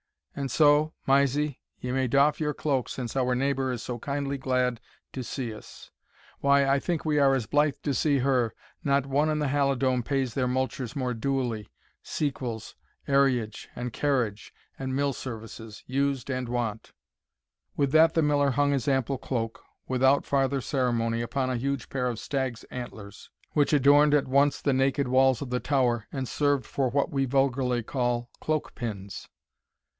And so, Mysie, ye may doff your cloak since our neighbour is so kindly glad to see us why, I think, we are as blithe to see her not one in the Halidome pays their multures more duly, sequels, arriage, and carriage, and mill services, used and wont." With that the Miller hung his ample cloak without farther ceremony upon a huge pair of stag's antlers, which adorned at once the naked walls of the tower, and served for what we vulgarly call cloak pins.